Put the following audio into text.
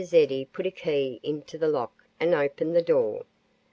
Eddy put a key into the lock and opened the door.